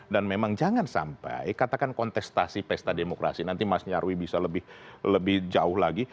dan memang jangan sampai katakan kontestasi pesta demokrasi nanti mas nyarwi bisa lebih jauh lagi